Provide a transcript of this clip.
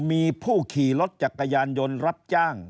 มีผู้ขี่รถจักรยานยนต์รับจ้าง